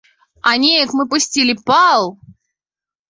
А неяк мы пусцілі пал!